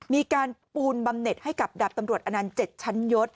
มีการปูนบำเน็ตให้กับดาบตำรวจอนันต์๗ชั้นยศ